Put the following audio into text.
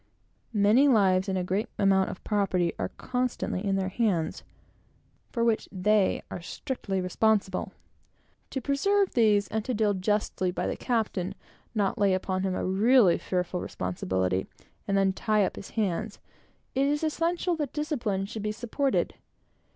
Many lives and a great amount of property are constantly in their hands, for which they are strictly responsible. To preserve these, and to deal justly by the captain, and not lay upon him a really fearful responsibility, and then tie up his hands, it is essential that discipline should be supported.